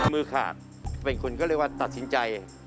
มือขาดเป็นคนก็เรียกว่าตัดสินใจ